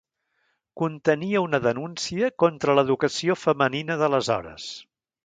Contenia una denúncia contra l'educació femenina d'aleshores.